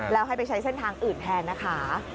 แล้วให้ไปใช้เส้นทางอื่นแทนนะคะ